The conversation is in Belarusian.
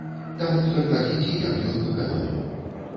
Таму дакладзіце, як ён выкананы.